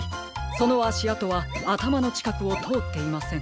そのあしあとはあたまのちかくをとおっていません。